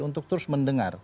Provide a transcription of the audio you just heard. untuk terus mendengar